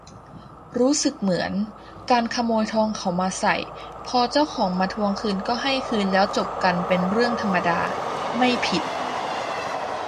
รู้สึกเหมือน การขโมยทองเขามาใส่ พอเจ้าของมาทวงก็ให้คืนแล้วจบกันเป็นเรื่องธรรมดา ไม่ผิด